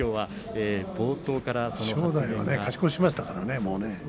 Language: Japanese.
正代は勝ち越しましたからね。